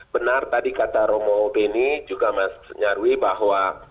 benar tadi kata romo beni juga mas nyarwi bahwa